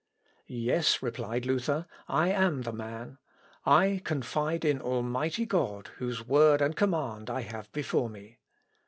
"Yes," replied Luther, "I am the man. I confide in Almighty God, whose word and command I have before me."